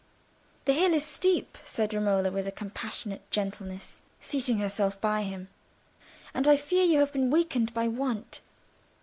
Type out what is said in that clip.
"The hill is steep," said Romola, with compassionate gentleness, seating herself by him. "And I fear you have been weakened by want?"